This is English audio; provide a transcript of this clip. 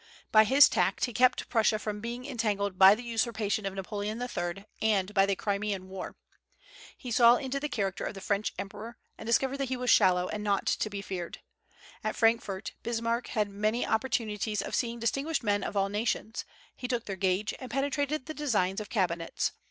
By his tact he kept Prussia from being entangled by the usurpation of Napoleon III., and by the Crimean war. He saw into the character of the French emperor, and discovered that he was shallow, and not to be feared. At Frankfort, Bismarck had many opportunities of seeing distinguished men of all nations; he took their gauge, and penetrated the designs of cabinets.